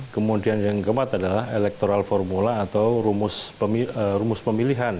kemudian yang keempat adalah electoral formula atau rumus pemilihan